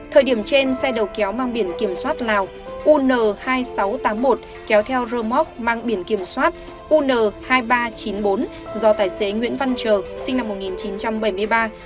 thời điểm trên xe đầu kéo mang biển kiểm soát lào un hai nghìn sáu trăm tám mươi một kéo theo rơ móc mang biển kiểm soát un hai nghìn ba trăm chín mươi bốn do tài xế nguyễn văn trờ sinh năm một nghìn chín trăm bảy mươi ba